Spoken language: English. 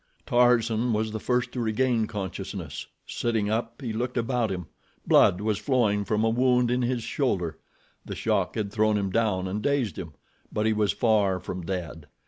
Tarzan was the first to regain consciousness. Sitting up, he looked about him. Blood was flowing from a wound in his shoulder. The shock had thrown him down and dazed him; but he was far from dead.